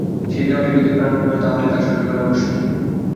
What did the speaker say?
সেই দেহটি যদি প্রাণহীন হয়, তাহলে তা সহ্য করা মুশকিল।